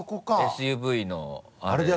ＳＵＶのあれで。